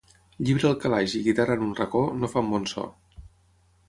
Llibre al calaix i guitarra en un racó, no fan bon so.